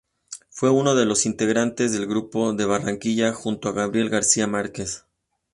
Fue uno de los integrantes del grupo de Barranquilla; junta a Gabriel García Márquez.